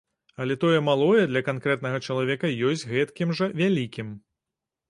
Але тое малое для канкрэтнага чалавека ёсць гэткім жа вялікім.